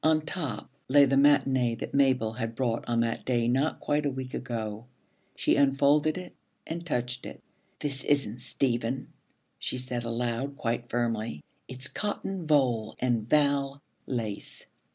On top lay the matinée that Mabel had brought on that day not quite a week ago. She unfolded it and touched it. 'This isn't Stephen,' she said aloud, quite firmly. 'It's cotton voile and val lace.